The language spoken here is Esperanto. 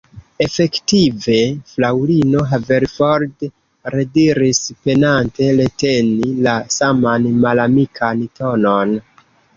Efektive? fraŭlino Haverford rediris, penante reteni la saman malamikan tonon.